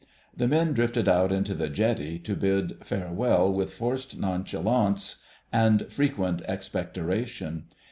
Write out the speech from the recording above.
The men drifted out into the jetty to bid farewell, with forced nonchalance and frequent expectoration.